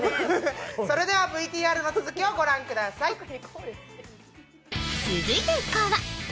それではＶＴＲの続きを御覧ください